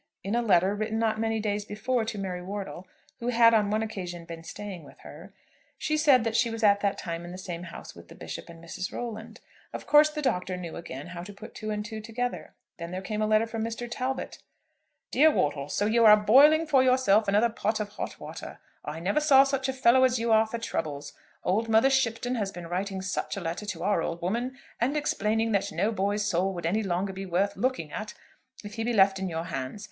In a letter, written not many days before to Mary Wortle, who had on one occasion been staying with her, she said that she was at that time in the same house with the Bishop and Mrs. Rolland. Of course the Doctor knew again how to put two and two together. Then there came a letter from Mr. Talbot "DEAR WORTLE, So you are boiling for yourself another pot of hot water. I never saw such a fellow as you are for troubles! Old Mother Shipton has been writing such a letter to our old woman, and explaining that no boy's soul would any longer be worth looking after if he be left in your hands.